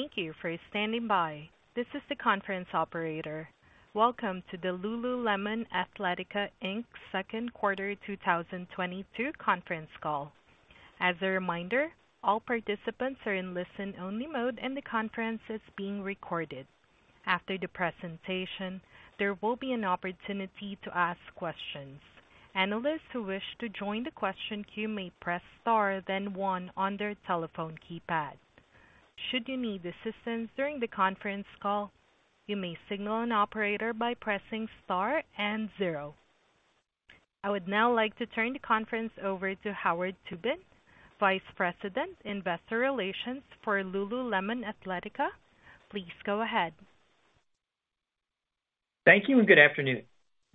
Thank you for standing by. This is the conference operator. Welcome to the lululemon athletica inc. Second Quarter 2022 conference call. As a reminder, all participants are in listen-only mode, and the conference is being recorded. After the presentation, there will be an opportunity to ask questions. Analysts who wish to join the question queue may press Star, then one on their telephone keypad. Should you need assistance during the conference call, you may signal an operator by pressing Star and zero. I would now like to turn the conference over to Howard Tubin, Vice President, Investor Relations for lululemon athletica. Please go ahead. Thank you and good afternoon.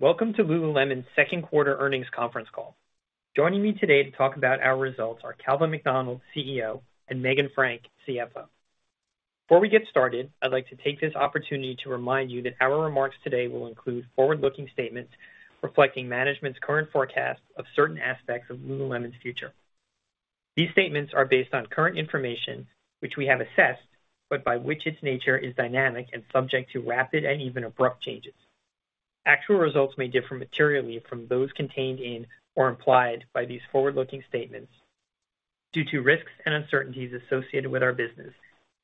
Welcome to lululemon's second quarter earnings conference call. Joining me today to talk about our results are Calvin McDonald, CEO, and Meghan Frank, CFO. Before we get started, I'd like to take this opportunity to remind you that our remarks today will include forward-looking statements reflecting management's current forecast of certain aspects of lululemon's future. These statements are based on current information which we have assessed, but by its nature is dynamic and subject to rapid and even abrupt changes. Actual results may differ materially from those contained in or implied by these forward-looking statements due to risks and uncertainties associated with our business,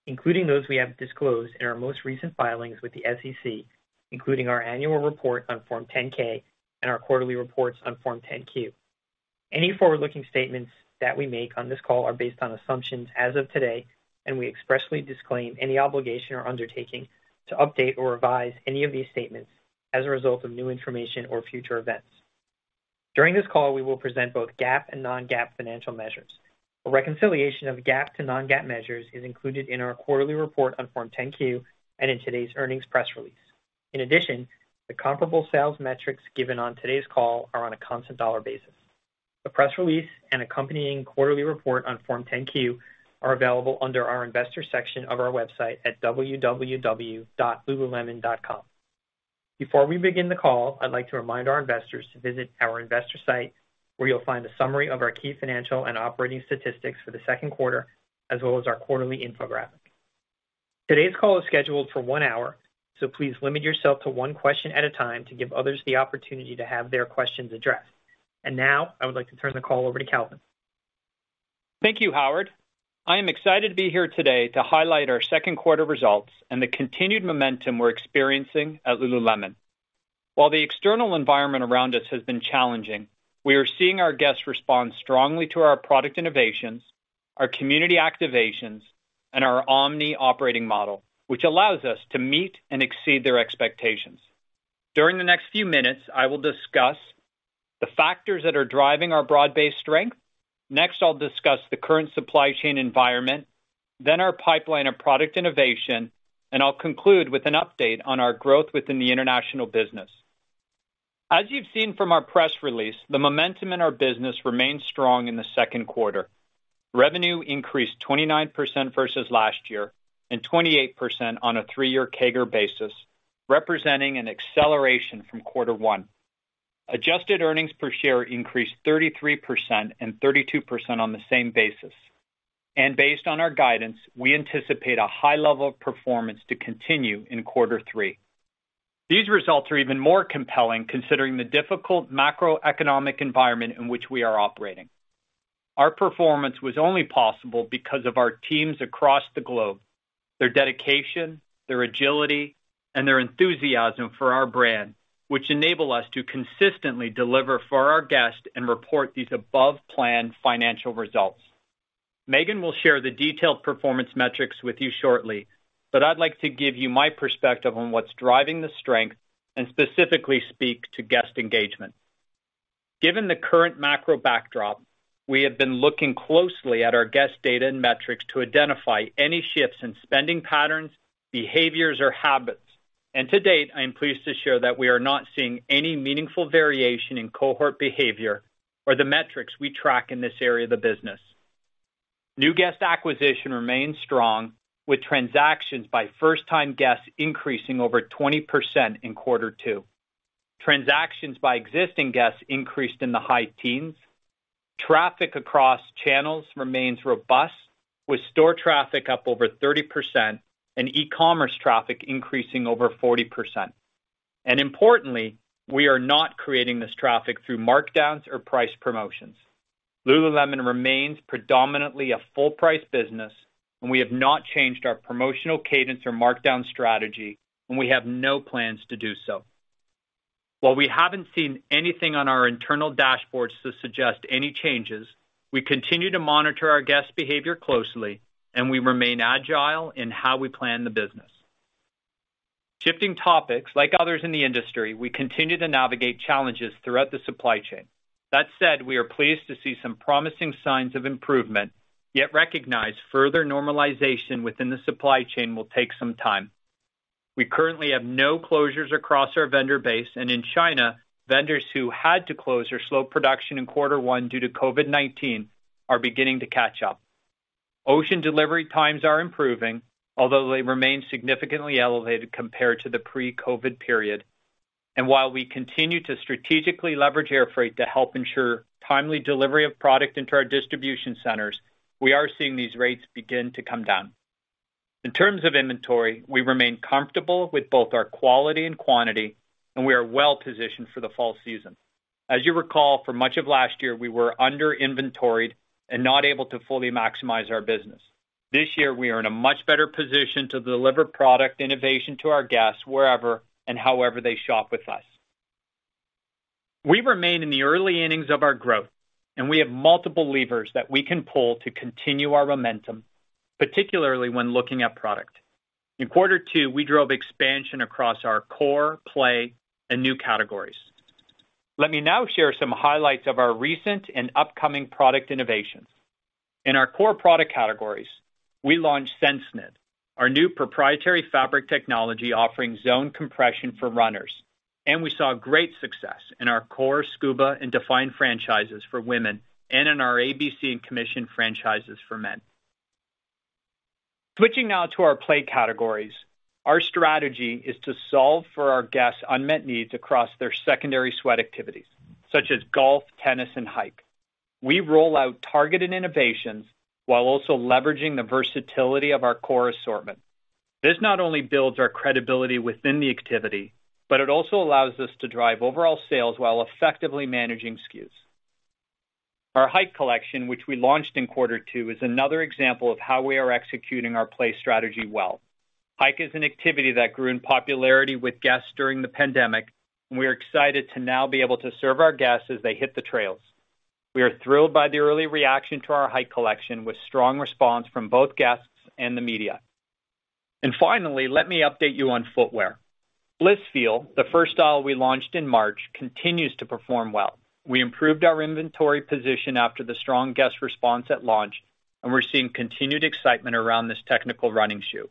including those we have disclosed in our most recent filings with the SEC, including our annual report on Form 10-K and our quarterly reports on Form 10-Q. Any forward-looking statements that we make on this call are based on assumptions as of today, and we expressly disclaim any obligation or undertaking to update or revise any of these statements as a result of new information or future events. During this call, we will present both GAAP and non-GAAP financial measures. A reconciliation of GAAP to non-GAAP measures is included in our quarterly report on Form 10-Q and in today's earnings press release. In addition, the comparable sales metrics given on today's call are on a constant dollar basis. The press release and accompanying quarterly report on Form 10-Q are available under our investor section of our website at www.lululemon.com. Before we begin the call, I'd like to remind our investors to visit our investor site, where you'll find a summary of our key financial and operating statistics for the second quarter, as well as our quarterly infographic. Today's call is scheduled for one hour, so please limit yourself to one question at a time to give others the opportunity to have their questions addressed. Now I would like to turn the call over to Calvin. Thank you, Howard. I am excited to be here today to highlight our second quarter results and the continued momentum we're experiencing at lululemon. While the external environment around us has been challenging, we are seeing our guests respond strongly to our product innovations, our community activations, and our omni operating model, which allows us to meet and exceed their expectations. During the next few minutes, I will discuss the factors that are driving our broad-based strength. Next, I'll discuss the current supply chain environment, then our pipeline of product innovation, and I'll conclude with an update on our growth within the international business. As you've seen from our press release, the momentum in our business remains strong in the second quarter. Revenue increased 29% versus last year and 28% on a three-year CAGR basis, representing an acceleration from quarter one. Adjusted earnings per share increased 33% and 32% on the same basis. Based on our guidance, we anticipate a high level of performance to continue in quarter three. These results are even more compelling considering the difficult macroeconomic environment in which we are operating. Our performance was only possible because of our teams across the globe, their dedication, their agility, and their enthusiasm for our brand, which enable us to consistently deliver for our guests and report these above plan financial results. Meghan will share the detailed performance metrics with you shortly, but I'd like to give you my perspective on what's driving the strength and specifically speak to guest engagement. Given the current macro backdrop, we have been looking closely at our guest data and metrics to identify any shifts in spending patterns, behaviors, or habits. To date, I am pleased to share that we are not seeing any meaningful variation in cohort behavior or the metrics we track in this area of the business. New guest acquisition remains strong, with transactions by first time guests increasing over 20% in quarter two. Transactions by existing guests increased in the high teens%. Traffic across channels remains robust, with store traffic up over 30% and e-commerce traffic increasing over 40%. Importantly, we are not creating this traffic through markdowns or price promotions. lululemon remains predominantly a full price business, and we have not changed our promotional cadence or markdown strategy, and we have no plans to do so. While we haven't seen anything on our internal dashboards to suggest any changes, we continue to monitor our guest behavior closely, and we remain agile in how we plan the business. Shifting topics, like others in the industry, we continue to navigate challenges throughout the supply chain. That said, we are pleased to see some promising signs of improvement, yet recognize further normalization within the supply chain will take some time. We currently have no closures across our vendor base, and in China, vendors who had to close or slow production in quarter one due to COVID-19 are beginning to catch up. Ocean delivery times are improving, although they remain significantly elevated compared to the pre-COVID period. While we continue to strategically leverage air freight to help ensure timely delivery of product into our distribution centers, we are seeing these rates begin to come down. In terms of inventory, we remain comfortable with both our quality and quantity, and we are well-positioned for the fall season. As you recall, for much of last year, we were under-inventoried and not able to fully maximize our business. This year, we are in a much better position to deliver product innovation to our guests wherever and however they shop with us. We remain in the early innings of our growth, and we have multiple levers that we can pull to continue our momentum, particularly when looking at product. In quarter two, we drove expansion across our core, play, and new categories. Let me now share some highlights of our recent and upcoming product innovations. In our core product categories, we launched SenseKnit, our new proprietary fabric technology offering zone compression for runners, and we saw great success in our core Scuba and Define franchises for women and in our ABC and Commission franchises for men. Switching now to our play categories. Our strategy is to solve for our guests' unmet needs across their secondary sweat activities such as golf, tennis, and hike. We roll out targeted innovations while also leveraging the versatility of our core assortment. This not only builds our credibility within the activity, but it also allows us to drive overall sales while effectively managing SKUs. Our hike collection, which we launched in quarter two, is another example of how we are executing our play strategy well. Hike is an activity that grew in popularity with guests during the pandemic, and we are excited to now be able to serve our guests as they hit the trails. We are thrilled by the early reaction to our hike collection, with strong response from both guests and the media. Finally, let me update you on footwear. Blissfeel, the first style we launched in March, continues to perform well. We improved our inventory position after the strong guest response at launch, and we're seeing continued excitement around this technical running shoe.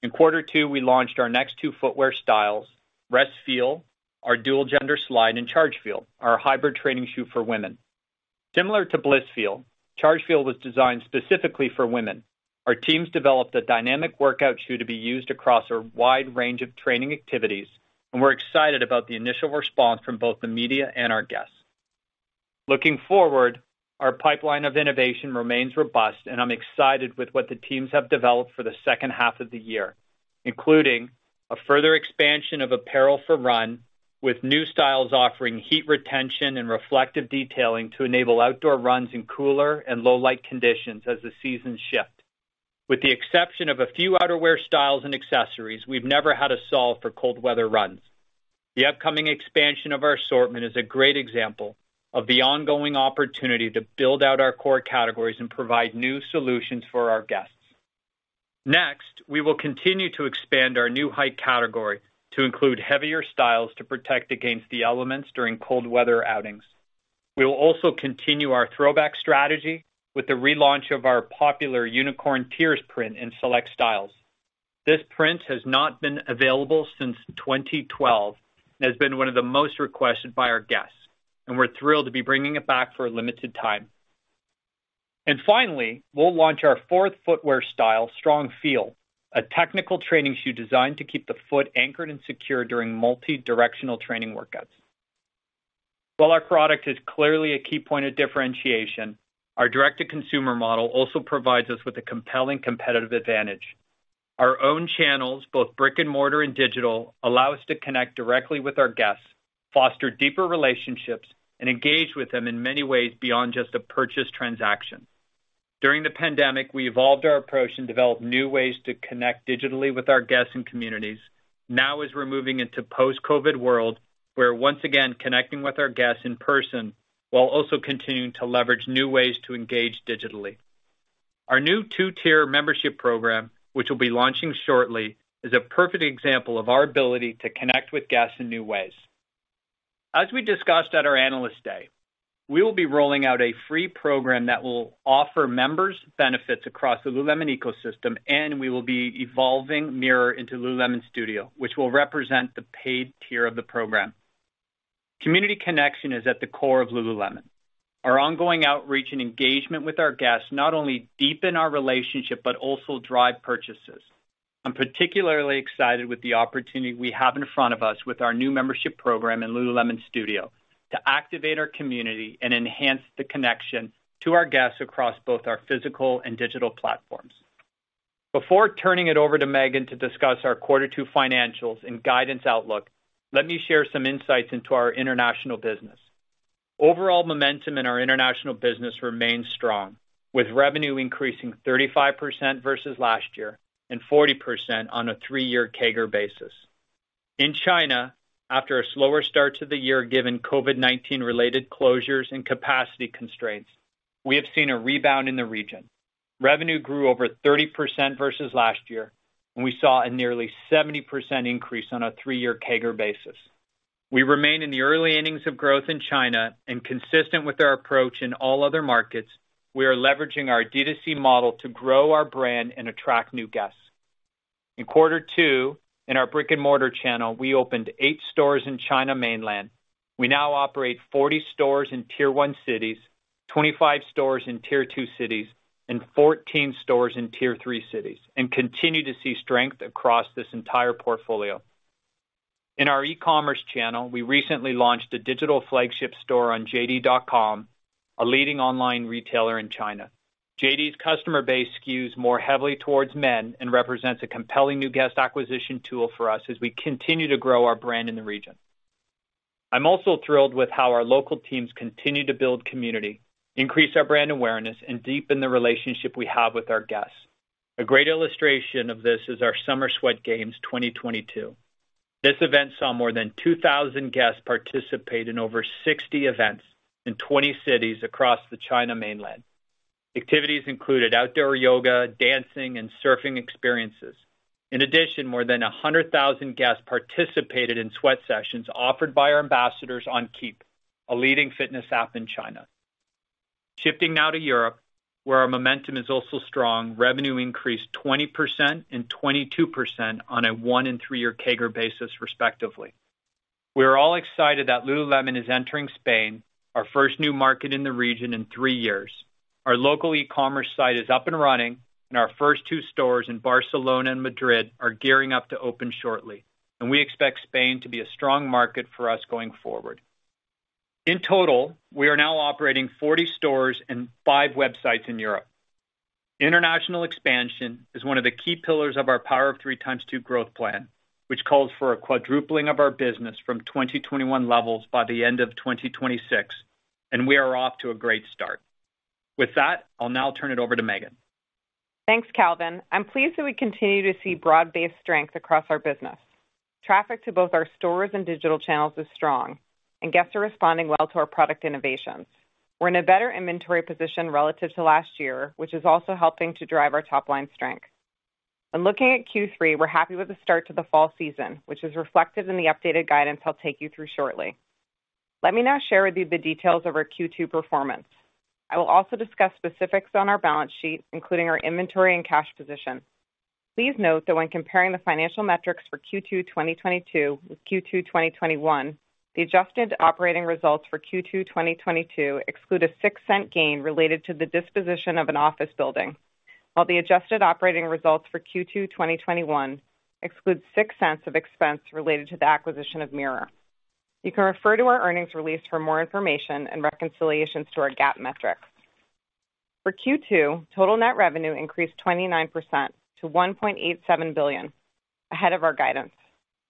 In quarter two, we launched our next two footwear styles, Restfeel, our dual-gender slide, and Chargefeel, our hybrid training shoe for women. Similar to Blissfeel, Chargefeel was designed specifically for women. Our teams developed a dynamic workout shoe to be used across a wide range of training activities, and we're excited about the initial response from both the media and our guests. Looking forward, our pipeline of innovation remains robust, and I'm excited with what the teams have developed for the second half of the year, including a further expansion of apparel for run, with new styles offering heat retention and reflective detailing to enable outdoor runs in cooler and low light conditions as the seasons shift. With the exception of a few outerwear styles and accessories, we've never had a solve for cold weather runs. The upcoming expansion of our assortment is a great example of the ongoing opportunity to build out our core categories and provide new solutions for our guests. Next, we will continue to expand our new hike category to include heavier styles to protect against the elements during cold weather outings. We will also continue our throwback strategy with the relaunch of our popular Unicorn Tears print in select styles. This print has not been available since 2012 and has been one of the most requested by our guests, and we're thrilled to be bringing it back for a limited time. Finally, we'll launch our fourth footwear style, Strongfeel, a technical training shoe designed to keep the foot anchored and secure during multi-directional training workouts. While our product is clearly a key point of differentiation, our direct-to-consumer model also provides us with a compelling competitive advantage. Our own channels, both brick-and-mortar and digital, allow us to connect directly with our guests, foster deeper relationships, and engage with them in many ways beyond just a purchase transaction. During the pandemic, we evolved our approach and developed new ways to connect digitally with our guests and communities. Now, as we're moving into post-COVID-19 world, we're once again connecting with our guests in person while also continuing to leverage new ways to engage digitally. Our new two-tier membership program, which will be launching shortly, is a perfect example of our ability to connect with guests in new ways. As we discussed at our Analyst Day, we will be rolling out a free program that will offer members benefits across the lululemon ecosystem, and we will be evolving Mirror into lululemon Studio, which will represent the paid tier of the program. Community connection is at the core of lululemon. Our ongoing outreach and engagement with our guests not only deepen our relationship, but also drive purchases. I'm particularly excited with the opportunity we have in front of us with our new membership program in lululemon Studio to activate our community and enhance the connection to our guests across both our physical and digital platforms. Before turning it over to Meghan to discuss our quarter two financials and guidance outlook, let me share some insights into our international business. Overall momentum in our international business remains strong, with revenue increasing 35% versus last year and 40% on a 3-year CAGR basis. In China, after a slower start to the year, given COVID-19 related closures and capacity constraints, we have seen a rebound in the region. Revenue grew over 30% versus last year, and we saw a nearly 70% increase on a 3-year CAGR basis. We remain in the early innings of growth in China and consistent with our approach in all other markets, we are leveraging our D2C model to grow our brand and attract new guests. In quarter two, in our brick-and-mortar channel, we opened 8 stores in mainland China. We now operate 40 stores in tier one cities, 25 stores in tier two cities, and 14 stores in tier three cities, and continue to see strength across this entire portfolio. In our e-commerce channel, we recently launched a digital flagship store on JD.com, a leading online retailer in China. JD.com customer base skews more heavily towards men and represents a compelling new guest acquisition tool for us as we continue to grow our brand in the region. I'm also thrilled with how our local teams continue to build community, increase our brand awareness, and deepen the relationship we have with our guests. A great illustration of this is our Summer Sweat Games 2022. This event saw more than 2,000 guests participate in over 60 events in 20 cities across the mainland China. Activities included outdoor yoga, dancing, and surfing experiences. In addition, more than 100,000 guests participated in sweat sessions offered by our ambassadors on Keep, a leading fitness app in China. Shifting now to Europe, where our momentum is also strong, revenue increased 20% and 22% on a one- and three-year CAGR basis, respectively. We are all excited that Lululemon is entering Spain, our first new market in the region in three years. Our local e-commerce site is up and running, and our first two stores in Barcelona and Madrid are gearing up to open shortly, and we expect Spain to be a strong market for us going forward. In total, we are now operating 40 stores and 5 websites in Europe. International expansion is one of the key pillars of our Power of Three ×2 growth plan, which calls for a quadrupling of our business from 2021 levels by the end of 2026, and we are off to a great start. With that, I'll now turn it over to Meghan. Thanks, Calvin. I'm pleased that we continue to see broad-based strength across our business. Traffic to both our stores and digital channels is strong, and guests are responding well to our product innovations. We're in a better inventory position relative to last year, which is also helping to drive our top-line strength. When looking at Q3, we're happy with the start to the fall season, which is reflected in the updated guidance I'll take you through shortly. Let me now share with you the details of our Q2 performance. I will also discuss specifics on our balance sheet, including our inventory and cash position. Please note that when comparing the financial metrics for Q2 2022 with Q2 2021, the adjusted operating results for Q2 2022 exclude a $0.06 gain related to the disposition of an office building, while the adjusted operating results for Q2 2021 excludes $0.06 of expense related to the acquisition of Mirror. You can refer to our earnings release for more information and reconciliations to our GAAP metrics. For Q2, total net revenue increased 29% to $1.87 billion, ahead of our guidance.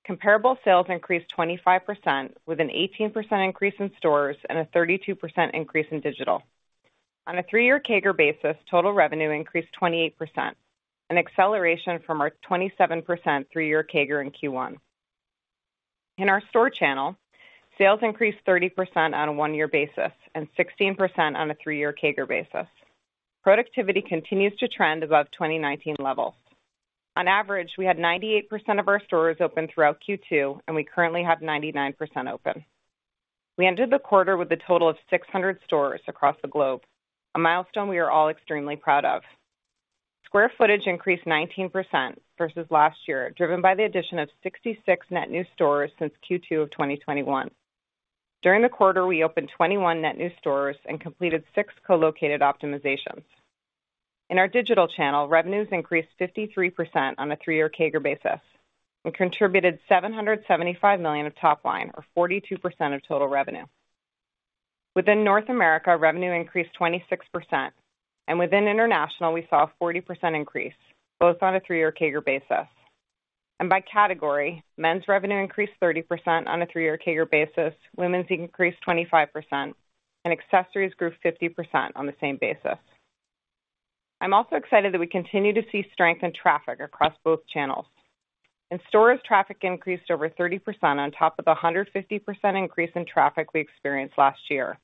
Comparable sales increased 25%, with an 18% increase in stores and a 32% increase in digital. On a three-year CAGR basis, total revenue increased 28%, an acceleration from our 27% three-year CAGR in Q1. In our store channel, sales increased 30% on a one-year basis and 16% on a three-year CAGR basis. Productivity continues to trend above 2019 levels. On average, we had 98% of our stores open throughout Q2, and we currently have 99% open. We ended the quarter with a total of 600 stores across the globe, a milestone we are all extremely proud of. Square footage increased 19% versus last year, driven by the addition of 66 net new stores since Q2 of 2021. During the quarter, we opened 21 net new stores and completed 6 co-located optimizations. In our digital channel, revenues increased 53% on a three-year CAGR basis and contributed $775 million of top line, or 42% of total revenue. Within North America, revenue increased 26%, and within international, we saw a 40% increase, both on a three-year CAGR basis. By category, men's revenue increased 30% on a three-year CAGR basis, women's increased 25%, and accessories grew 50% on the same basis. I'm also excited that we continue to see strength in traffic across both channels. In stores, traffic increased over 30% on top of the 150% increase in traffic we experienced last year.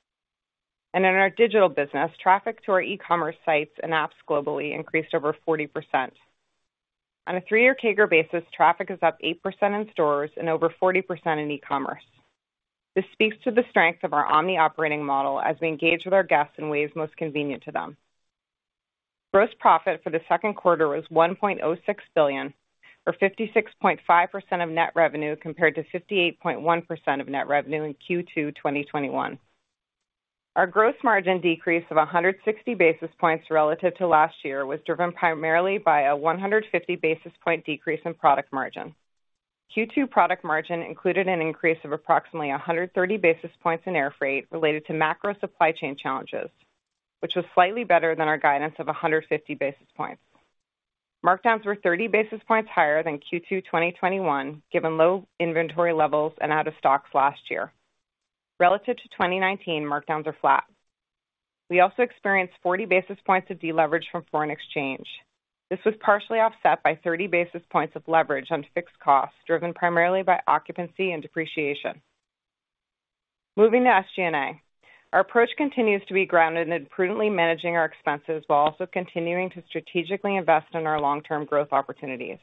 In our digital business, traffic to our e-commerce sites and apps globally increased over 40%. On a three-year CAGR basis, traffic is up 8% in stores and over 40% in e-commerce. This speaks to the strength of our omni operating model as we engage with our guests in ways most convenient to them. Gross profit for the second quarter was $1.06 billion or 56.5% of net revenue compared to 58.1% of net revenue in Q2 2021. Our gross margin decrease of 160 basis points relative to last year was driven primarily by a 150 basis point decrease in product margin. Q2 product margin included an increase of approximately 130 basis points in air freight related to macro supply chain challenges, which was slightly better than our guidance of 150 basis points. Markdowns were 30 basis points higher than Q2 2021 given low inventory levels and out of stocks last year. Relative to 2019, markdowns are flat. We also experienced 40 basis points of deleverage from foreign exchange. This was partially offset by 30 basis points of leverage on fixed costs driven primarily by occupancy and depreciation. Moving to SG&A. Our approach continues to be grounded in prudently managing our expenses while also continuing to strategically invest in our long-term growth opportunities.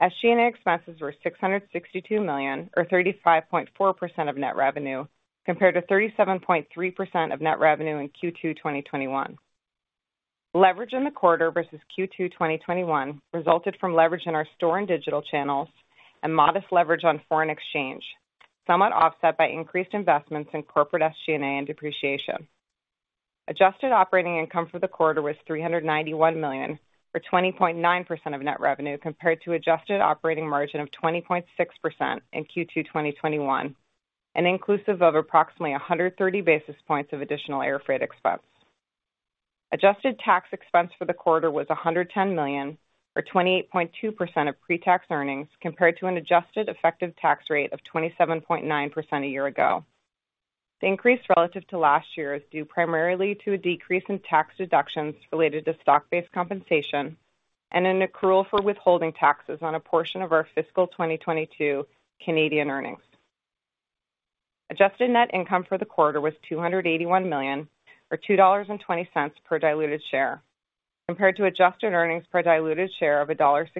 SG&A expenses were $662 million or 35.4% of net revenue, compared to 37.3% of net revenue in Q2 2021. Leverage in the quarter versus Q2 2021 resulted from leverage in our store and digital channels and modest leverage on foreign exchange, somewhat offset by increased investments in corporate SG&A and depreciation. Adjusted operating income for the quarter was $391 million, or 20.9% of net revenue, compared to adjusted operating margin of 20.6% in Q2 2021 and inclusive of approximately 130 basis points of additional airfreight expense. Adjusted tax expense for the quarter was $110 million, or 28.2% of pre-tax earnings, compared to an adjusted effective tax rate of 27.9% a year ago. The increase relative to last year is due primarily to a decrease in tax deductions related to stock-based compensation and an accrual for withholding taxes on a portion of our fiscal 2022 Canadian earnings. Adjusted net income for the quarter was $281 million, or $2.20 per diluted share, compared to adjusted earnings per diluted share of $1.65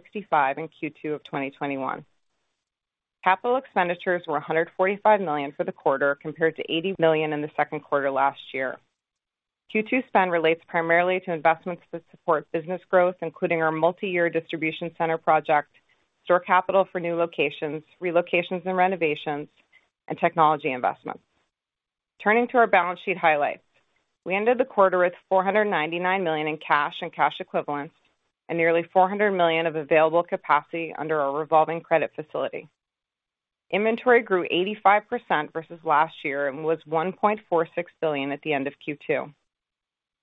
in Q2 of 2021. Capital expenditures were $145 million for the quarter, compared to $80 million in the second quarter last year. Q2 spend relates primarily to investments that support business growth, including our multiyear distribution center project, store capital for new locations, relocations and renovations, and technology investments. Turning to our balance sheet highlights. We ended the quarter with $499 million in cash and cash equivalents and nearly $400 million of available capacity under our revolving credit facility. Inventory grew 85% versus last year and was $1.46 billion at the end of Q2.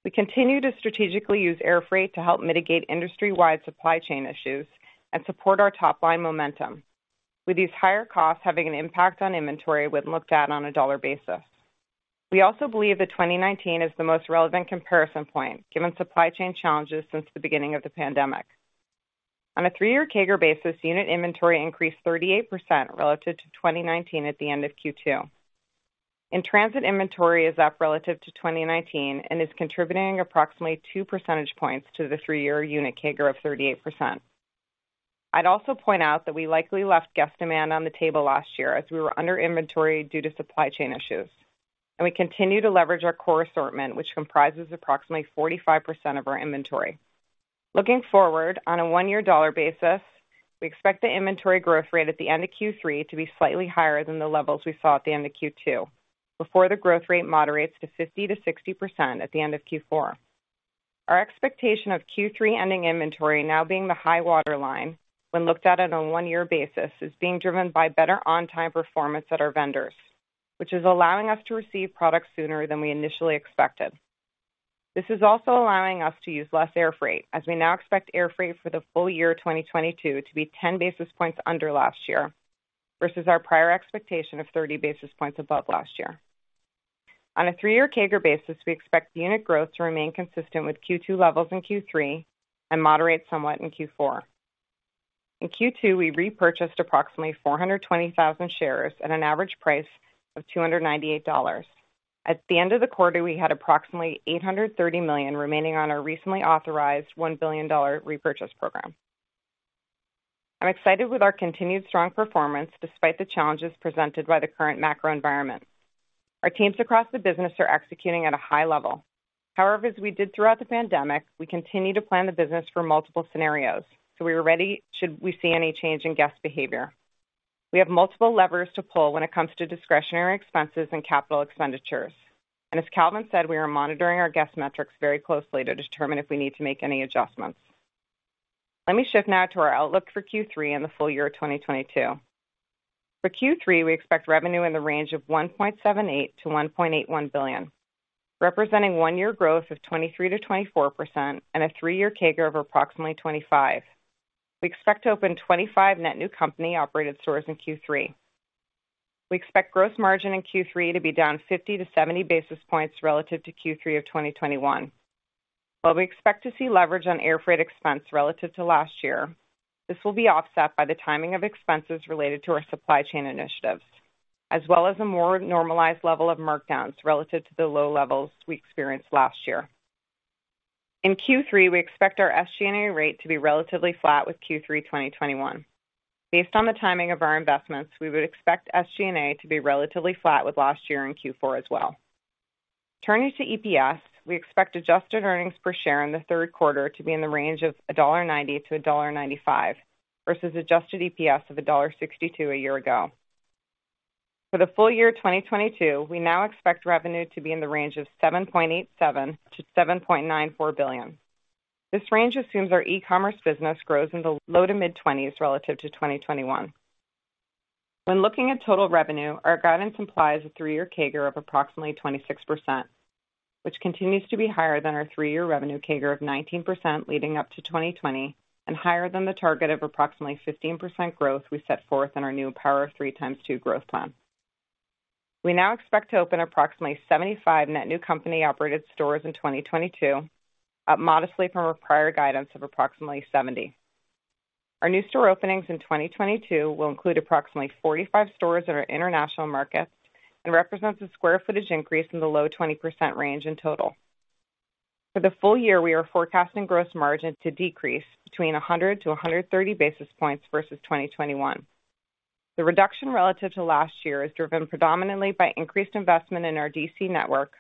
We continue to strategically use airfreight to help mitigate industry-wide supply chain issues and support our top line momentum. With these higher costs having an impact on inventory when looked at on a dollar basis. We also believe that 2019 is the most relevant comparison point given supply chain challenges since the beginning of the pandemic. On a three year CAGR basis, unit inventory increased 38% relative to 2019 at the end of Q2. In transit inventory is up relative to 2019 and is contributing approximately two percentage points to the three year unit CAGR of 38%. I'd also point out that we likely left guest demand on the table last year as we were under inventory due to supply chain issues, and we continue to leverage our core assortment, which comprises approximately 45% of our inventory. Looking forward, on a one-year dollar basis, we expect the inventory growth rate at the end of Q3 to be slightly higher than the levels we saw at the end of Q2, before the growth rate moderates to 50%-60% at the end of Q4. Our expectation of Q3 ending inventory now being the high-water line when looked at on a one-year basis is being driven by better on time performance at our vendors, which is allowing us to receive products sooner than we initially expected. This is also allowing us to use less airfreight, as we now expect airfreight for the full year 2022 to be 10 basis points under last year versus our prior expectation of 30 basis points above last year. On a three-year CAGR basis, we expect unit growth to remain consistent with Q2 levels in Q3 and moderate somewhat in Q4. In Q2, we repurchased approximately 420,000 shares at an average price of $298. At the end of the quarter, we had approximately $830 million remaining on our recently authorized $1 billion repurchase program. I'm excited with our continued strong performance despite the challenges presented by the current macro environment. Our teams across the business are executing at a high level. However, as we did throughout the pandemic, we continue to plan the business for multiple scenarios, so we are ready should we see any change in guest behavior. We have multiple levers to pull when it comes to discretionary expenses and capital expenditures. As Calvin said, we are monitoring our guest metrics very closely to determine if we need to make any adjustments. Let me shift now to our outlook for Q3 and the full year of 2022. For Q3, we expect revenue in the range of $1.78 billion-$1.81 billion, representing one-year growth of 23%-24% and a three-year CAGR of approximately 25%. We expect to open 25 net new company-operated stores in Q3. We expect gross margin in Q3 to be down 50-70 basis points relative to Q3 of 2021. While we expect to see leverage on airfreight expense relative to last year, this will be offset by the timing of expenses related to our supply chain initiatives, as well as a more normalized level of markdowns relative to the low levels we experienced last year. In Q3, we expect our SG&A rate to be relatively flat with Q3, 2021. Based on the timing of our investments, we would expect SG&A to be relatively flat with last year in Q4 as well. Turning to EPS, we expect adjusted earnings per share in the third quarter to be in the range of $1.90-$1.95 versus adjusted EPS of $1.62 a year ago. For the full year 2022, we now expect revenue to be in the range of $7.87 billion-$7.94 billion. This range assumes our e-commerce business grows in the low to mid-20s relative to 2021. When looking at total revenue, our guidance implies a three-year CAGR of approximately 26%, which continues to be higher than our three-year revenue CAGR of 19% leading up to 2020, and higher than the target of approximately 15% growth we set forth in our new Power of Three ×2 growth plan. We now expect to open approximately 75 net new company operated stores in 2022, up modestly from our prior guidance of approximately 70. Our new store openings in 2022 will include approximately 45 stores in our international markets and represents a square footage increase in the low 20% range in total. For the full year, we are forecasting gross margin to decrease between 100-130 basis points versus 2021. The reduction relative to last year is driven predominantly by increased investment in our DC network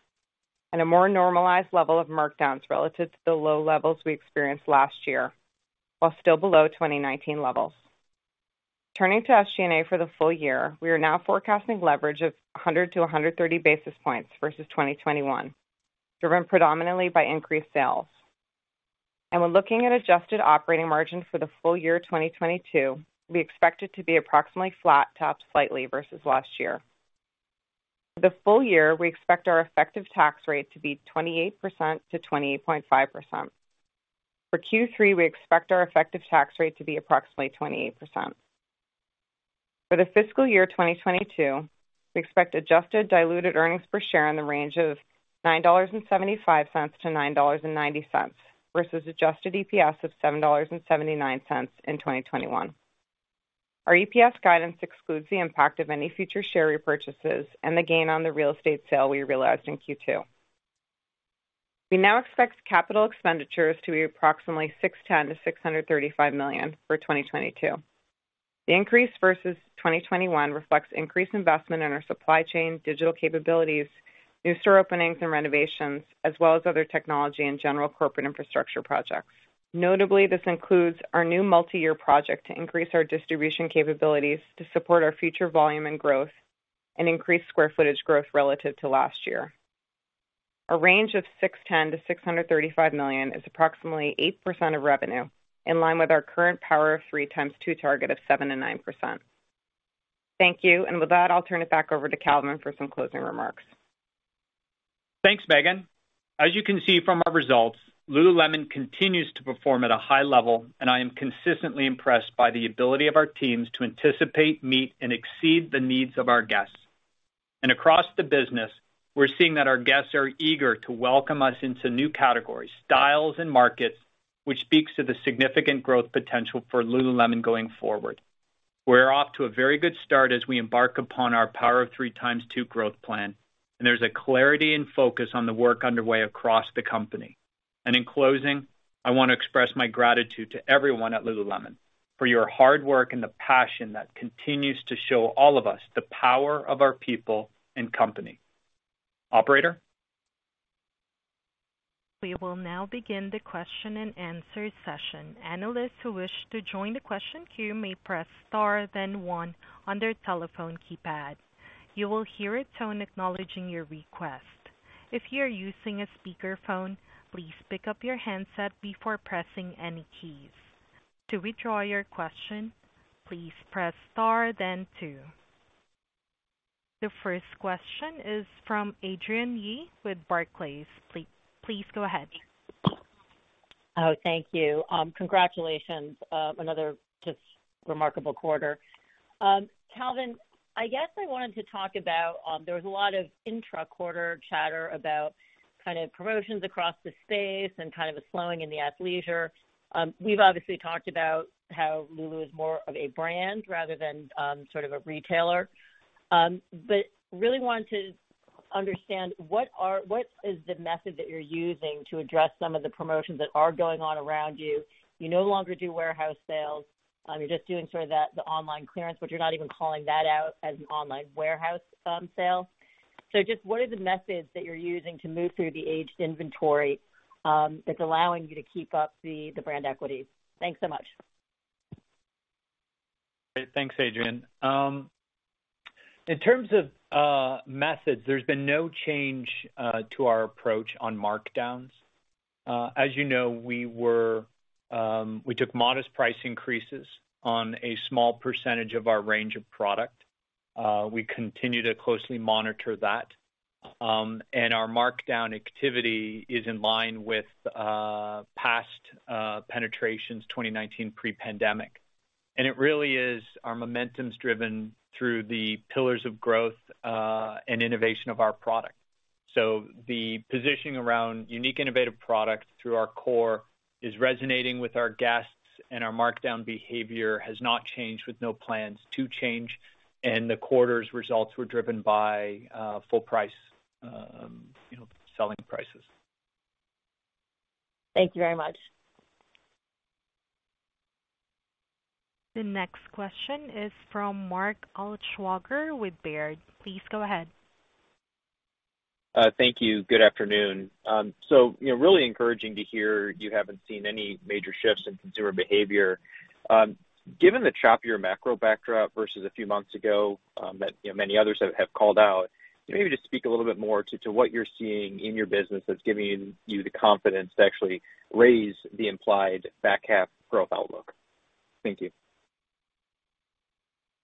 and a more normalized level of markdowns relative to the low levels we experienced last year, while still below 2019 levels. Turning to SG&A for the full year, we are now forecasting leverage of 100-130 basis points versus 2021, driven predominantly by increased sales. When looking at adjusted operating margin for the full year 2022, we expect it to be approximately flat to up slightly versus last year. For the full year, we expect our effective tax rate to be 28%-20.5%. For Q3, we expect our effective tax rate to be approximately 28%. For the fiscal year 2022, we expect adjusted diluted earnings per share in the range of $9.75-$9.90 versus adjusted EPS of $7.79 in 2021. Our EPS guidance excludes the impact of any future share repurchases and the gain on the real estate sale we realized in Q2. We now expect capital expenditures to be approximately $610 million-$635 million for 2022. The increase versus 2021 reflects increased investment in our supply chain, digital capabilities, new store openings and renovations, as well as other technology and general corporate infrastructure projects. Notably, this includes our new multi-year project to increase our distribution capabilities to support our future volume and growth and increase square footage growth relative to last year. A range of $610 million-$635 million is approximately 8% of revenue in line with our current Power of Three ×2 target of 7%-9%. Thank you. With that, I'll turn it back over to Calvin for some closing remarks. Thanks, Meghan. As you can see from our results, Lululemon continues to perform at a high level, and I am consistently impressed by the ability of our teams to anticipate, meet, and exceed the needs of our guests. Across the business, we're seeing that our guests are eager to welcome us into new categories, styles and markets, which speaks to the significant growth potential for Lululemon going forward. We're off to a very good start as we embark upon our Power of Three ×2 growth plan, and there's a clarity and focus on the work underway across the company. In closing, I wanna express my gratitude to everyone at Lululemon for your hard work and the passion that continues to show all of us the power of our people and company. Operator? We will now begin the question-and-answer session. Analysts who wish to join the question queue may press star then one on their telephone keypad. You will hear a tone acknowledging your request. If you are using a speakerphone, please pick up your handset before pressing any keys. To withdraw your question, please press star then two. The first question is from Adrienne Yih with Barclays. Please go ahead. Oh, thank you. Congratulations, another just remarkable quarter. Calvin, I guess I wanted to talk about, there was a lot of intra-quarter chatter about kind of promotions across the space and kind of a slowing in the athleisure. We've obviously talked about how Lulu is more of a brand rather than sort of a retailer. But really want to understand what is the method that you're using to address some of the promotions that are going on around you? You no longer do warehouse sales. You're just doing sort of the online clearance, but you're not even calling that out as an online warehouse sale. So just what are the methods that you're using to move through the aged inventory that's allowing you to keep up the brand equity? Thanks so much. Thanks, Adrienne. In terms of methods, there's been no change to our approach on markdowns. As you know, we took modest price increases on a small percentage of our range of product. We continue to closely monitor that. Our markdown activity is in line with past penetrations 2019 pre-pandemic. It really is our momentum's driven through the pillars of growth and innovation of our product. The positioning around unique, innovative products through our core is resonating with our guests, and our markdown behavior has not changed with no plans to change, and the quarter's results were driven by full-price, you know, selling prices. Thank you very much. The next question is from Mark Altschwager with Baird. Please go ahead. Thank you. Good afternoon. You know, really encouraging to hear you haven't seen any major shifts in consumer behavior. Given the choppier macro backdrop versus a few months ago, that you know, many others have called out, maybe just speak a little bit more to what you're seeing in your business that's giving you the confidence to actually raise the implied back half growth outlook. Thank you.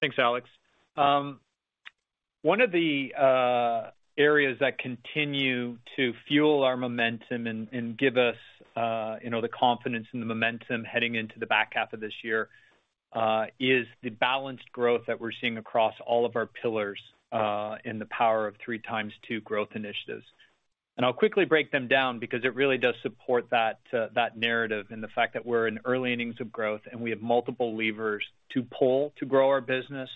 Thanks, Alex. One of the areas that continue to fuel our momentum and give us, you know, the confidence and the momentum heading into the back half of this year, is the balanced growth that we're seeing across all of our pillars, in the Power of Three ×2 growth initiatives. I'll quickly break them down because it really does support that narrative and the fact that we're in early innings of growth, and we have multiple levers to pull to grow our business,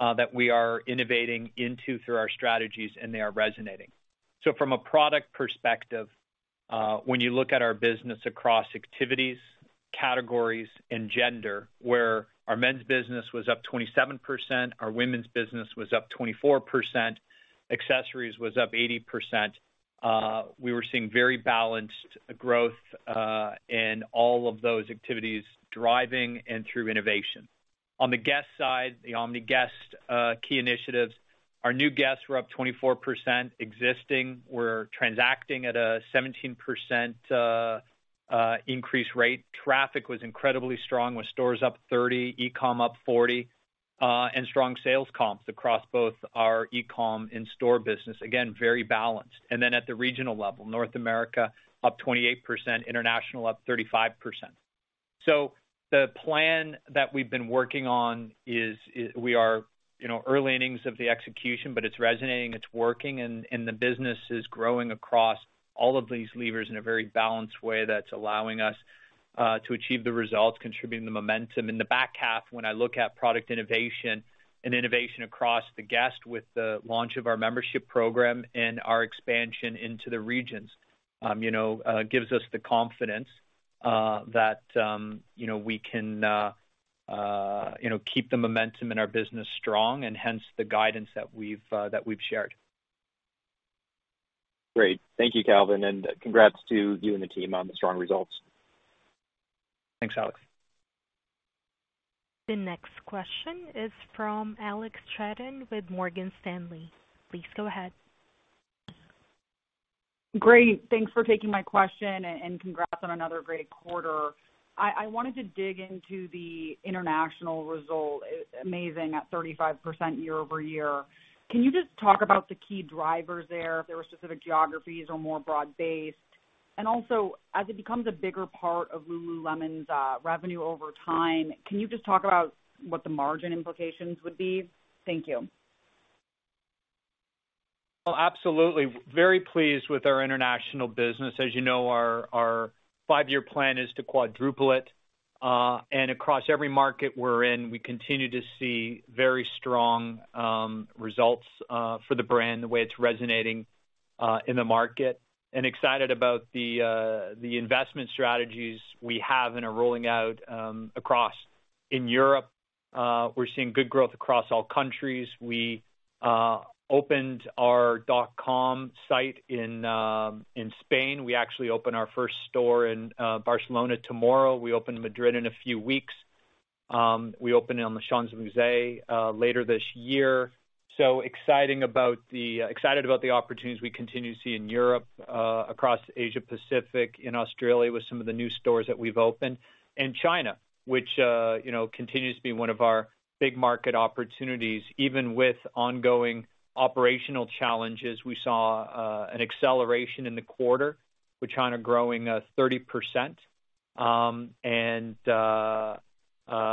that we are innovating into through our strategies, and they are resonating. From a product perspective, when you look at our business across activities, categories, and gender, where our men's business was up 27%, our women's business was up 24%, accessories was up 80%. We were seeing very balanced growth in all of those activities, driving and through innovation. On the guest side, the omni guest key initiatives. Our new guests were up 24% existing. We're transacting at a 17% increased rate. Traffic was incredibly strong, with stores up 30%, e-com up 40%, and strong sales comps across both our e-com in-store business. Again, very balanced. Then at the regional level, North America up 28%, international up 35%. The plan that we've been working on is we are, you know, early innings of the execution, but it's resonating, it's working, and the business is growing across all of these levers in a very balanced way that's allowing us to achieve the results, contributing the momentum. In the back half, when I look at product innovation and innovation across the guest with the launch of our membership program and our expansion into the regions, you know, gives us the confidence that you know we can you know keep the momentum in our business strong and hence the guidance that we've shared. Great. Thank you, Calvin, and congrats to you and the team on the strong results. Thanks, Alex. The next question is from Alex Straton with Morgan Stanley. Please go ahead. Great. Thanks for taking my question, and congrats on another great quarter. I wanted to dig into the international result. Amazing at 35% year-over-year. Can you just talk about the key drivers there, if there were specific geographies or more broad-based? Also, as it becomes a bigger part of Lululemon's revenue over time, can you just talk about what the margin implications would be? Thank you. Oh, absolutely. Very pleased with our international business. As you know, our five-year plan is to quadruple it. Across every market we're in, we continue to see very strong results for the brand, the way it's resonating in the market. Excited about the investment strategies we have and are rolling out across. In Europe, we're seeing good growth across all countries. We opened our dot-com site in Spain. We actually open our first store in Barcelona tomorrow. We open in Madrid in a few weeks. We open in the Champs-Élysées later this year. Excited about the opportunities we continue to see in Europe, across Asia Pacific, in Australia with some of the new stores that we've opened. China, which, you know, continues to be one of our big market opportunities. Even with ongoing operational challenges, we saw an acceleration in the quarter, with China growing 30%.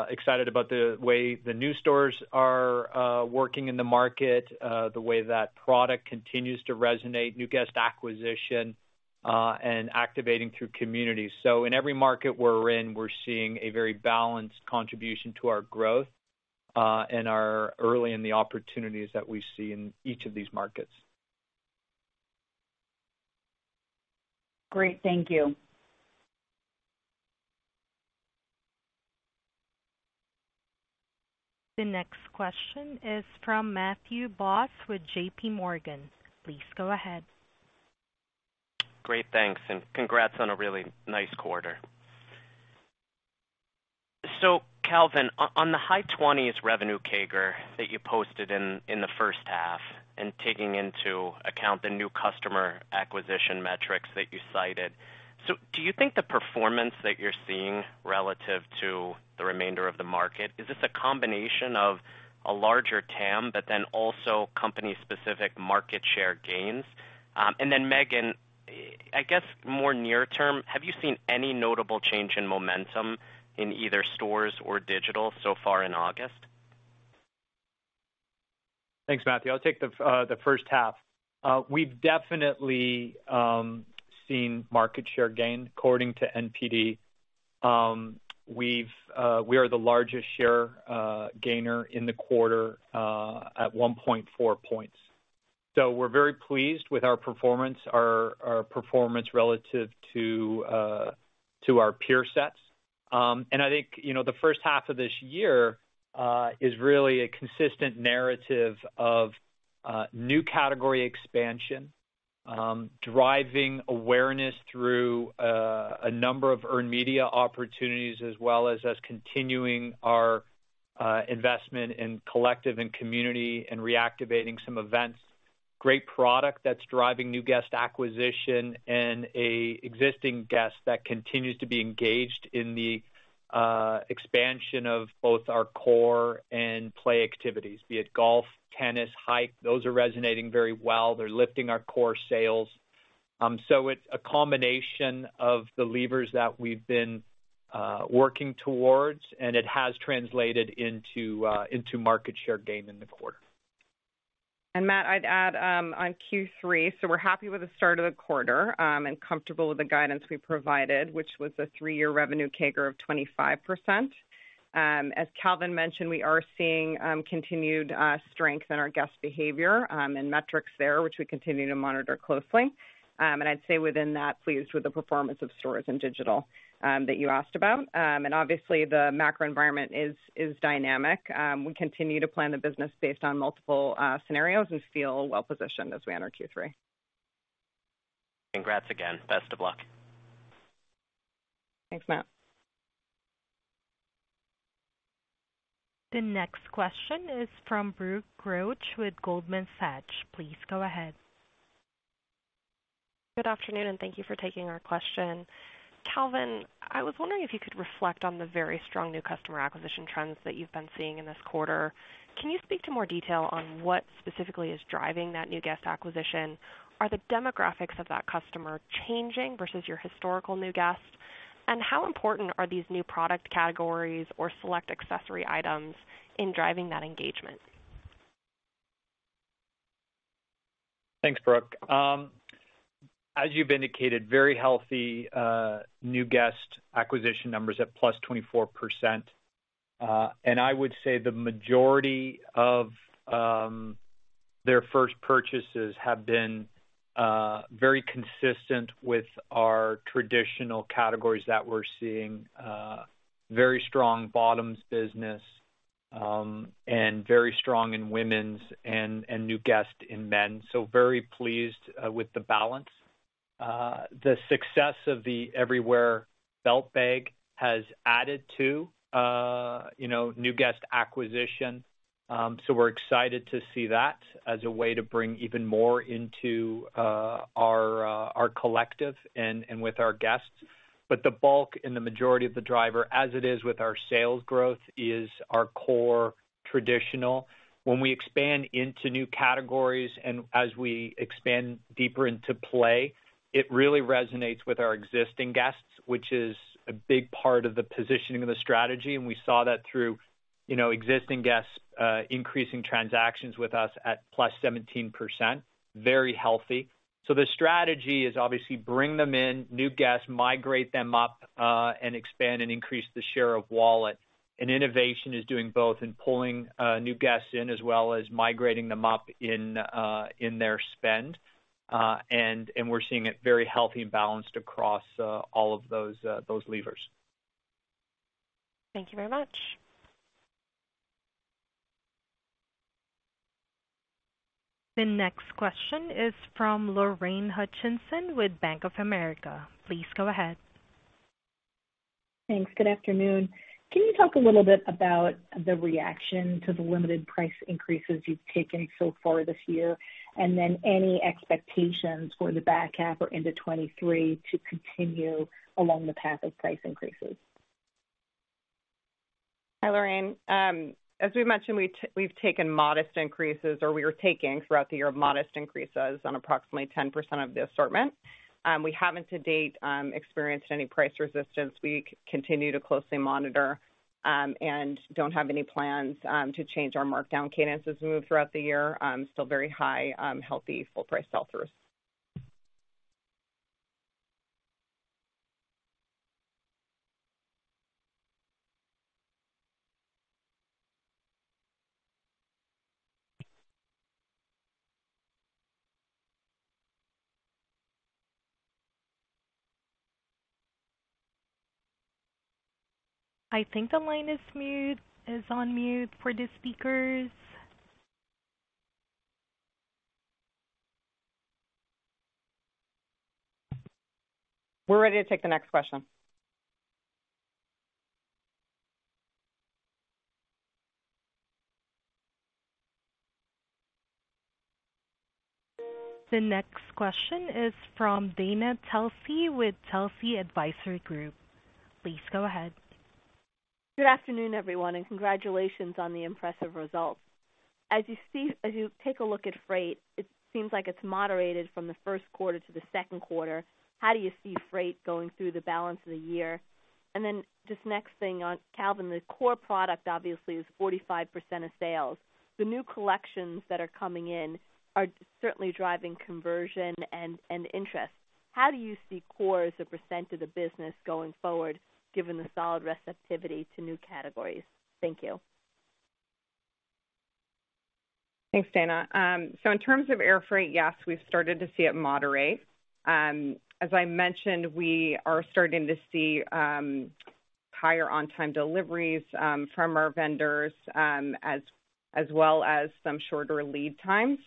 Excited about the way the new stores are working in the market, the way that product continues to resonate, new guest acquisition, and activating through communities. In every market we're in, we're seeing a very balanced contribution to our growth, and are early in the opportunities that we see in each of these markets. Great. Thank you. The next question is from Matthew Boss with J.P. Morgan. Please go ahead. Great, thanks, and congrats on a really nice quarter. Calvin, on the high-20s revenue CAGR that you posted in the first half and taking into account the new customer acquisition metrics that you cited. Do you think the performance that you're seeing relative to the remainder of the market is a combination of a larger TAM, but then also company specific market share gains? And then Meghan, I guess more near term, have you seen any notable change in momentum in either stores or digital so far in August? Thanks, Matthew. I'll take the first half. We've definitely seen market share gain according to NPD. We are the largest share gainer in the quarter at 1.4 points. We're very pleased with our performance, our performance relative to our peer sets. I think, you know, the first half of this year is really a consistent narrative of new category expansion driving awareness through a number of earned media opportunities, as well as us continuing our investment in collective and community and reactivating some events. Great product that's driving new guest acquisition and an existing guest that continues to be engaged in the expansion of both our core and play activities, be it golf, tennis, hiking. Those are resonating very well. They're lifting our core sales. It's a combination of the levers that we've been working towards, and it has translated into market share gain in the quarter. Matt, I'd add, on Q3, so we're happy with the start of the quarter, and comfortable with the guidance we provided, which was a three-year revenue CAGR of 25%. As Calvin mentioned, we are seeing continued strength in our guest behavior and metrics there, which we continue to monitor closely. I'd say within that, pleased with the performance of stores and digital that you asked about. Obviously the macro environment is dynamic. We continue to plan the business based on multiple scenarios and feel well-positioned as we enter Q3. Congrats again. Best of luck. Thanks, Matt. The next question is from Brooke Roach with Goldman Sachs. Please go ahead. Good afternoon, and thank you for taking our question. Calvin, I was wondering if you could reflect on the very strong new customer acquisition trends that you've been seeing in this quarter. Can you speak to more detail on what specifically is driving that new guest acquisition? Are the demographics of that customer changing versus your historical new guests? How important are these new product categories or select accessory items in driving that engagement? Thanks, Brooke. As you've indicated, very healthy new guest acquisition numbers at +24%. I would say the majority of their first purchases have been very consistent with our traditional categories that we're seeing, very strong bottoms business, and very strong in women's and new guest in men. Very pleased with the balance. The success of the Everywhere Belt Bag has added to, you know, new guest acquisition. We're excited to see that as a way to bring even more into our collective and with our guests. The bulk and the majority of the driver, as it is with our sales growth, is our core traditional. When we expand into new categories and as we expand deeper into play, it really resonates with our existing guests, which is a big part of the positioning of the strategy. We saw that through, you know, existing guests increasing transactions with us at +17%. Very healthy. The strategy is obviously bring them in, new guests, migrate them up, and expand and increase the share of wallet. Innovation is doing both in pulling new guests in as well as migrating them up in their spend. We're seeing it very healthy and balanced across all of those levers. Thank you very much. The next question is from Lorraine Hutchinson with Bank of America. Please go ahead. Thanks. Good afternoon. Can you talk a little bit about the reaction to the limited price increases you've taken so far this year, and then any expectations for the back half or into 2023 to continue along the path of price increases? Hi, Lorraine. As we mentioned, we've taken modest increases, or we are taking throughout the year modest increases on approximately 10% of the assortment. We haven't to date experienced any price resistance. We continue to closely monitor and don't have any plans to change our markdown cadence as we move throughout the year. Still very high, healthy, full-price sell-throughs. I think the line is on mute for the speakers. We're ready to take the next question. The next question is from Dana Telsey with Telsey Advisory Group. Please go ahead. Good afternoon, everyone, and congratulations on the impressive results. As you take a look at freight, it seems like it's moderated from the first quarter to the second quarter. How do you see freight going through the balance of the year? Then this next thing on, Calvin, the core product obviously is 45% of sales. The new collections that are coming in are certainly driving conversion and interest. How do you see core as a percent of the business going forward given the solid receptivity to new categories? Thank you. Thanks, Dana. In terms of air freight, yes, we've started to see it moderate. As I mentioned, we are starting to see higher on-time deliveries from our vendors, as well as some shorter lead times.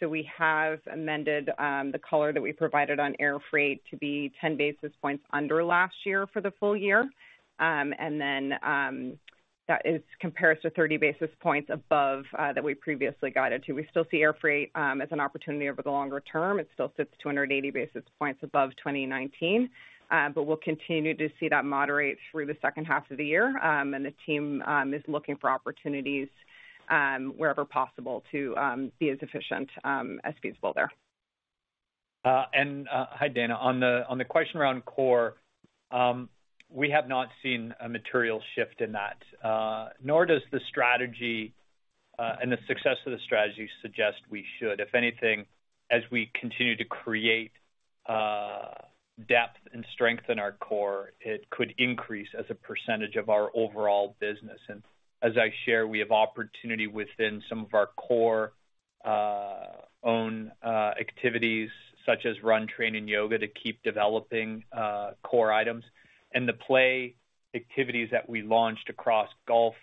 We have amended the color that we provided on air freight to be 10 basis points under last year for the full year. That is compared to 30 basis points above that we previously guided to. We still see air freight as an opportunity over the longer term. It still sits 280 basis points above 2019. We'll continue to see that moderate through the second half of the year. The team is looking for opportunities wherever possible to be as efficient as feasible there. Hi, Dana. On the question around core, we have not seen a material shift in that, nor does the strategy and the success of the strategy suggest we should. If anything, as we continue to create depth and strength in our core, it could increase as a percentage of our overall business. As I share, we have opportunity within some of our core activities such as run, train, and yoga to keep developing core items. The play activities that we launched across golf,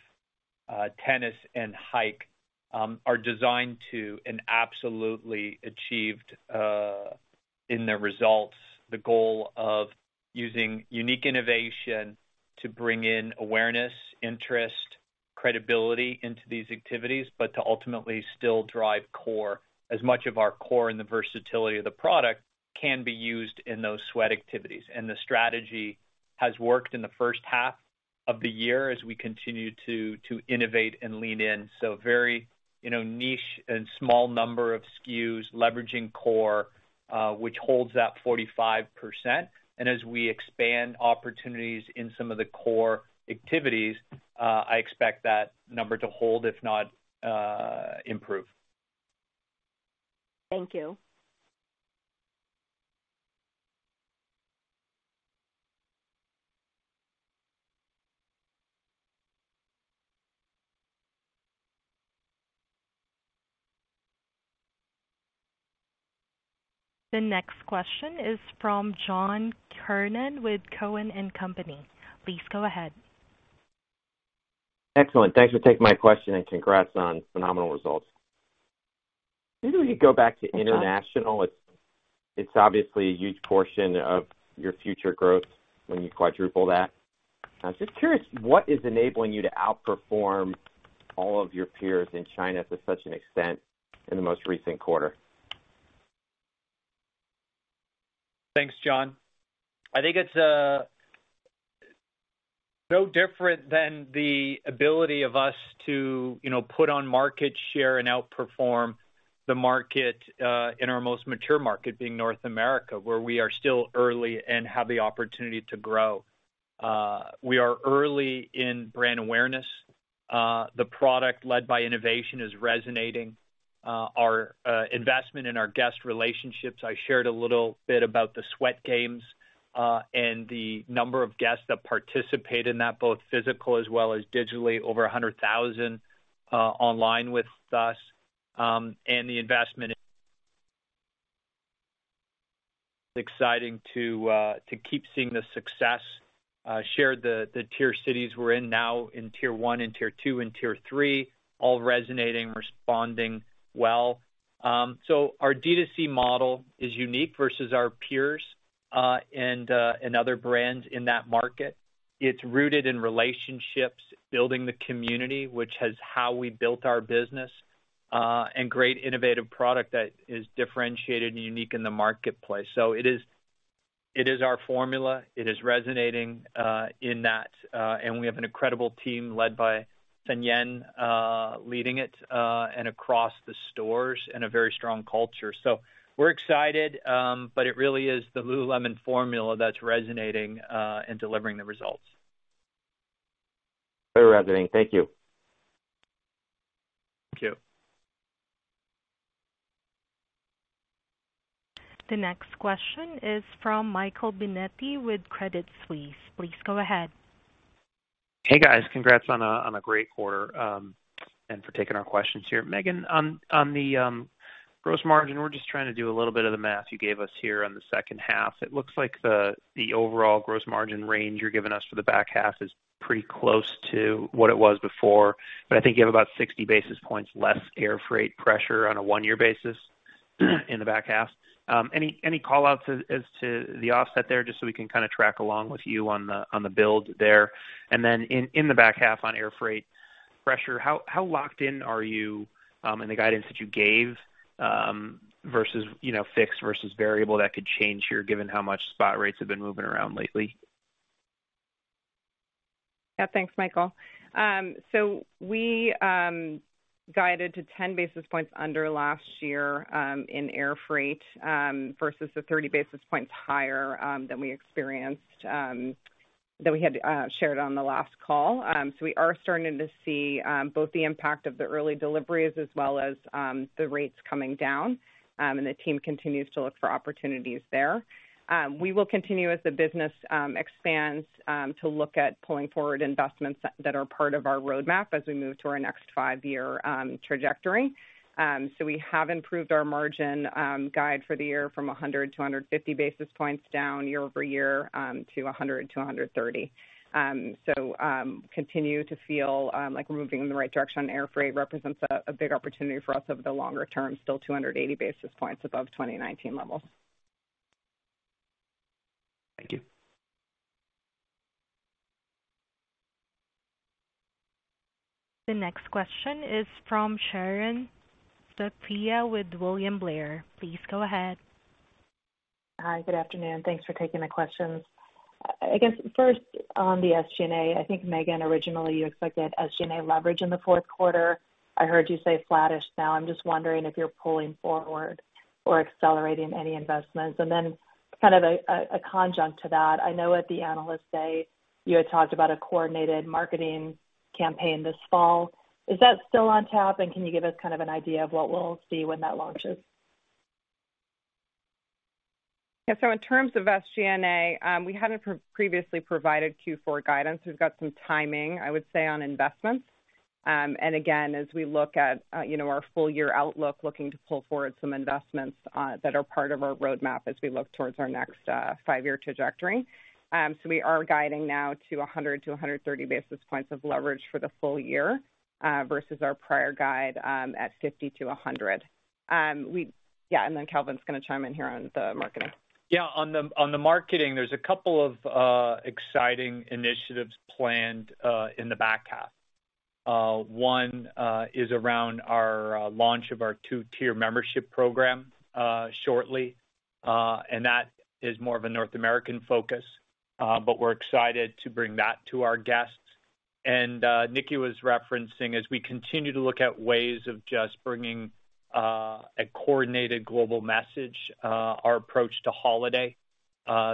tennis, and hike are designed to and absolutely achieved in their results the goal of using unique innovation to bring in awareness, interest, credibility into these activities, but to ultimately still drive core. As much of our core and the versatility of the product can be used in those sweat activities. The strategy has worked in the first half of the year as we continue to innovate and lean in. Very, you know, niche and small number of SKUs leveraging core, which holds that 45%. As we expand opportunities in some of the core activities, I expect that number to hold, if not, improve. Thank you. The next question is from John Kernan with Cowen and Company. Please go ahead. Excellent. Thanks for taking my question, and congrats on phenomenal results. Maybe we could go back to international. It's obviously a huge portion of your future growth when you quadruple that. I was just curious, what is enabling you to outperform all of your peers in China to such an extent in the most recent quarter? Thanks, John. I think it's no different than the ability of us to, you know, gain market share and outperform the market in our most mature market, being North America, where we are still early and have the opportunity to grow. We are early in brand awareness. The product led by innovation is resonating, our investment in our guest relationships. I shared a little bit about the Sweat Games, and the number of guests that participate in that, both physical as well as digitally, over 100,000 online with us. The investment exciting to keep seeing the success, share the tier cities we're in now in Tier 1 and Tier 2 and Tier 3, all resonating, responding well. Our D2C model is unique versus our peers, and other brands in that market. It's rooted in relationships, building the community, which is how we built our business, and great innovative product that is differentiated and unique in the marketplace. It is our formula. It is resonating in that. We have an incredible team led by Sun Choe leading it, and across the stores and a very strong culture. We're excited, but it really is the Lululemon formula that's resonating and delivering the results. Very resonating. Thank you. Thank you. The next question is from Michael Binetti with Credit Suisse. Please go ahead. Hey, guys. Congrats on a great quarter and for taking our questions here. Meghan, on the gross margin, we're just trying to do a little bit of the math you gave us here on the second half. It looks like the overall gross margin range you're giving us for the back half is pretty close to what it was before, but I think you have about 60 basis points less air freight pressure on a one-year basis in the back half. Any call outs as to the offset there, just so we can kinda track along with you on the build there. In the back half on air freight pressure, how locked in are you in the guidance that you gave versus you know fixed versus variable that could change here given how much spot rates have been moving around lately? Yeah, thanks, Michael. We guided to 10 basis points under last year in air freight versus the 30 basis points higher than we experienced that we had shared on the last call. We are starting to see both the impact of the early deliveries as well as the rates coming down. The team continues to look for opportunities there. We will continue as the business expands to look at pulling forward investments that are part of our roadmap as we move to our next five-year trajectory. We have improved our margin guide for the year from 100-150 basis points down year-over-year to 100-130. Continue to feel like we're moving in the right direction. Air freight represents a big opportunity for us over the longer term, still 280 basis points above 2019 levels. Thank you. The next question is from Sharon Zackfia with William Blair. Please go ahead. Hi, good afternoon. Thanks for taking my questions. I guess first on the SG&A, I think, Megan, originally you expected SG&A leverage in the fourth quarter. I heard you say flattish now. I'm just wondering if you're pulling forward or accelerating any investments. Kind of an adjunct to that, I know at the Analyst Day, you had talked about a coordinated marketing campaign this fall. Is that still on tap? Can you give us kind of an idea of what we'll see when that launches? Yeah. In terms of SG&A, we hadn't previously provided Q4 guidance. We've got some timing, I would say, on investments. Again, as we look at, you know, our full year outlook, looking to pull forward some investments that are part of our roadmap as we look towards our next five-year trajectory. We are guiding now to 100-130 basis points of leverage for the full year, versus our prior guide at 50-100. Yeah, then Calvin's gonna chime in here on the marketing. Yeah. On the marketing, there's a couple of exciting initiatives planned in the back half. One is around our launch of our two-tier membership program shortly. That is more of a North American focus. We're excited to bring that to our guests. Nikki was referencing, as we continue to look at ways of just bringing a coordinated global message, our approach to holiday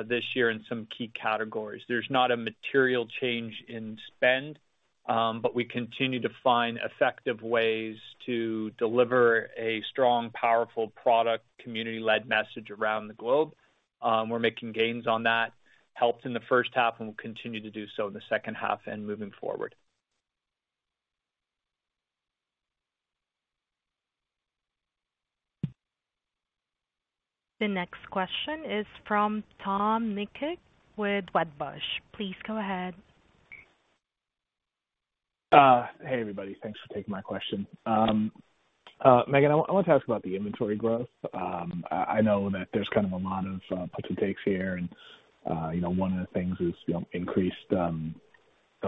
this year in some key categories. There's not a material change in spend, but we continue to find effective ways to deliver a strong, powerful product, community-led message around the globe. We're making gains on that. Helped in the first half, and we'll continue to do so in the second half and moving forward. The next question is from Tom Nikic with Wedbush. Please go ahead. Hey, everybody. Thanks for taking my question. Megan, I want to ask about the inventory growth. I know that there's kind of a lot of puts and takes here and you know, one of the things is you know, increased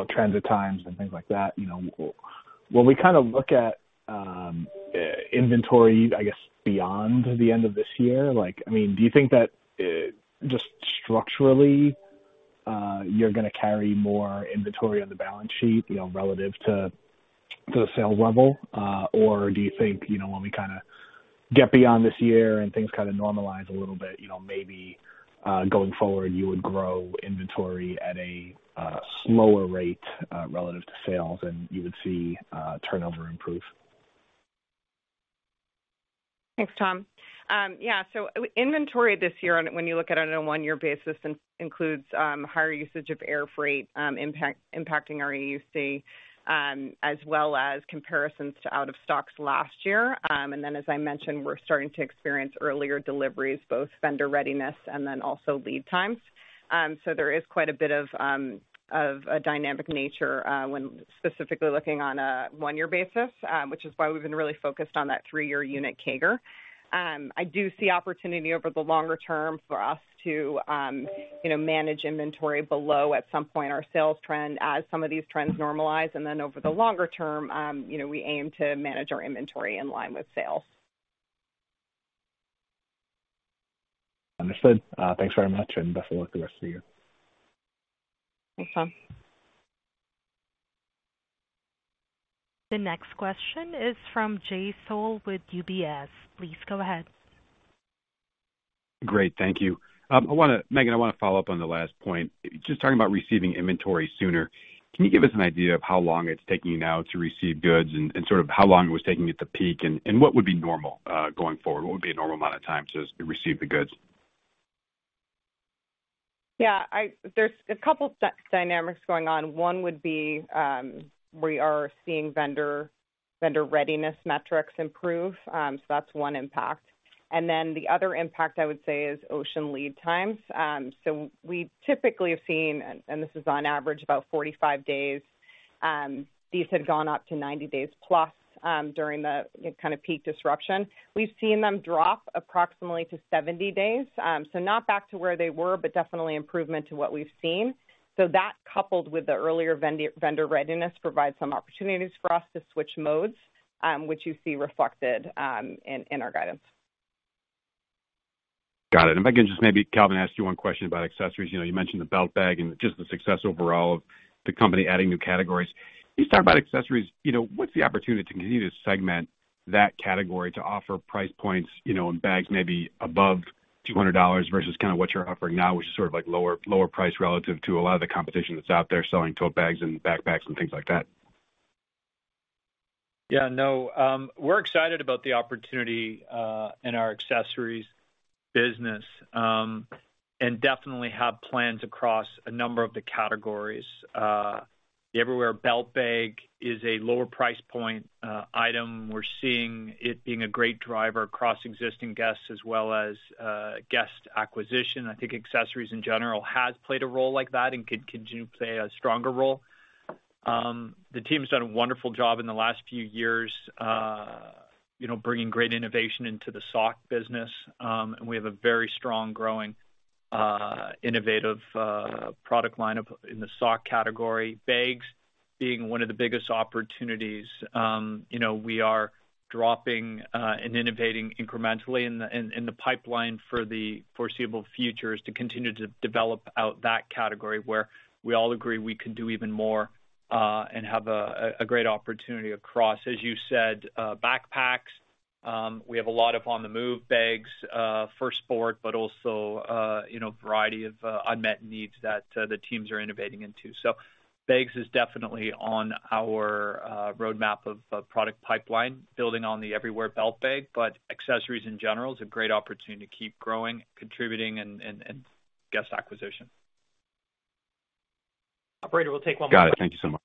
transit times and things like that, you know. When we kinda look at inventory, I guess, beyond the end of this year, like, I mean, do you think that just structurally you're gonna carry more inventory on the balance sheet, you know, relative to the sales level? Or do you think, you know, when we kinda get beyond this year and things kinda normalize a little bit, you know, maybe going forward, you would grow inventory at a slower rate relative to sales and you would see turnover improve? Thanks, Tom. Yeah, so inventory this year, when you look at it on a one-year basis, includes higher usage of air freight, impacting our AUC, as well as comparisons to out-of-stocks last year. As I mentioned, we're starting to experience earlier deliveries, both vendor readiness and then also lead times. There is quite a bit of a dynamic nature when specifically looking on a one-year basis, which is why we've been really focused on that three-year unit CAGR. I do see opportunity over the longer term for us to, you know, manage inventory below at some point our sales trend as some of these trends normalize, and then over the longer term, you know, we aim to manage our inventory in line with sales. Understood. Thanks very much, and best of luck the rest of the year. Thanks, Tom. The next question is from Jay Sole with UBS. Please go ahead. Great. Thank you. Meghan, I wanna follow up on the last point. Just talking about receiving inventory sooner, can you give us an idea of how long it's taking now to receive goods and sort of how long it was taking at the peak and what would be normal going forward? What would be a normal amount of time to receive the goods? There's a couple dynamics going on. One would be, we are seeing vendor readiness metrics improve. That's one impact. Then the other impact, I would say, is ocean lead times. We typically have seen, this is on average, about 45 days. These had gone up to 90 days plus, during the kind of peak disruption. We've seen them drop approximately to 70 days. Not back to where they were, but definitely improvement to what we've seen. That, coupled with the earlier vendor readiness, provides some opportunities for us to switch modes, which you see reflected in our guidance. Got it. Meghan, just maybe Calvin, ask you one question about accessories. You know, you mentioned the belt bag and just the success overall of the company adding new categories. Can you start by accessories? You know, what's the opportunity to segment that category to offer price points, you know, in bags maybe above $200 versus kind of what you're offering now, which is sort of like lower price relative to a lot of the competition that's out there selling tote bags and backpacks and things like that? Yeah, no, we're excited about the opportunity in our accessories business and definitely have plans across a number of the categories. The Everywhere Belt Bag is a lower price point item. We're seeing it being a great driver across existing guests as well as guest acquisition. I think accessories in general has played a role like that and could continue to play a stronger role. The team's done a wonderful job in the last few years, you know, bringing great innovation into the sock business. We have a very strong, innovative product lineup in the sock category. Bags being one of the biggest opportunities. You know, we are dropping and innovating incrementally in the pipeline for the foreseeable future is to continue to develop out that category where we all agree we can do even more and have a great opportunity across. As you said, backpacks, we have a lot of on-the-move bags for sport, but also you know, a variety of unmet needs that the teams are innovating into. Bags is definitely on our roadmap of product pipeline, building on the Everywhere Belt Bag. Accessories in general is a great opportunity to keep growing, contributing and guest acquisition. Operator, we'll take one more. Got it. Thank you so much.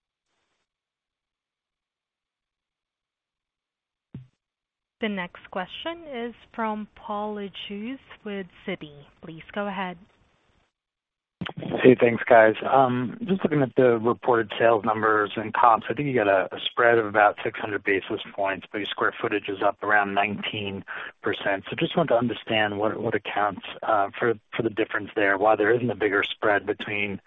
The next question is from Paul Lejuez with Citi. Please go ahead. Hey, thanks, guys. Just looking at the reported sales numbers and comps, I think you got a spread of about 600 basis points, but your square footage is up around 19%. Just want to understand what accounts for the difference there, why there isn't a bigger spread between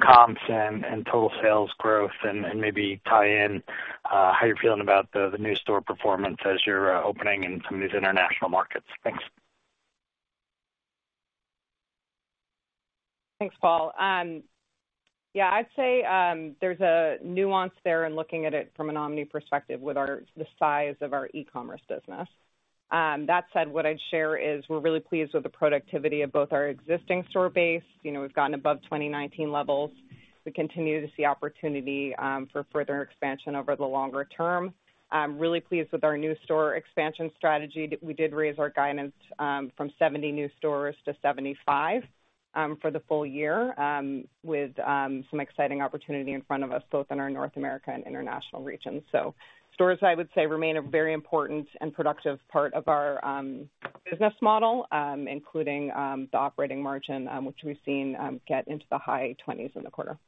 comps and total sales growth and maybe tie in how you're feeling about the new store performance as you're opening in some of these international markets. Thanks. Thanks, Paul. Yeah, I'd say there's a nuance there in looking at it from an omni perspective with the size of our e-commerce business. That said, what I'd share is we're really pleased with the productivity of both our existing store base. You know, we've gotten above 2019 levels. We continue to see opportunity for further expansion over the longer term. I'm really pleased with our new store expansion strategy. We did raise our guidance from 70 new stores to 75 for the full year with some exciting opportunity in front of us, both in our North America and international regions. Stores, I would say, remain a very important and productive part of our business model, including the operating margin, which we've seen get into the high 20s% in the quarter.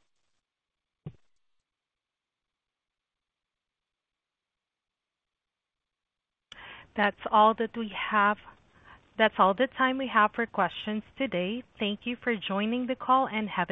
That's all that we have. That's all the time we have for questions today. Thank you for joining the call, and have a.